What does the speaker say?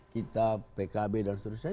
kita pkb dan seterusnya